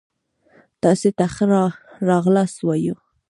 تاسي ته ښه را غلاست وايو